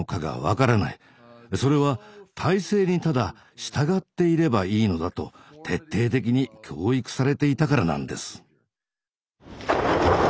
それは体制にただ従っていればいいのだと徹底的に教育されていたからなんです。